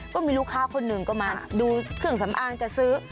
ก็มีลูกค้าคนหนึ่งก็มาดูเครื่องสำอางจะซื้อ